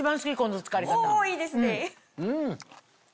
おいいですね。